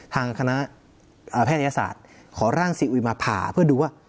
ทางคณะแพทยศาสตร์ขอร่างซีอุยมาผ่าเพื่อดูว่า